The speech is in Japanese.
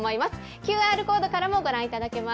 ＱＲコードからもご覧いただけます。